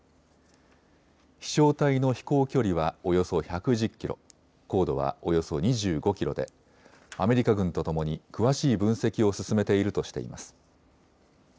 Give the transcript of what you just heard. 飛しょう体の飛行距離はおよそ１１０キロ、高度はおよそ２５キロでアメリカ軍とともに詳しい分析を進めているとしています。